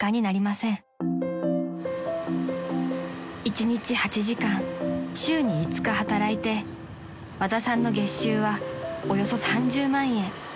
［一日８時間週に５日働いて和田さんの月収はおよそ３０万円］